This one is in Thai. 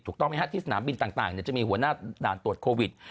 ถูกต้องไหมฮะที่สนามบินต่างจะมีหัวหน้าด่านตรวจโควิด